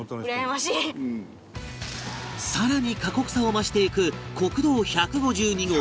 更に過酷さを増していく国道１５２号